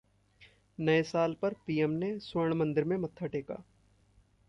नए साल पर पीएम ने स्वर्ण मंदिर में मत्था टेका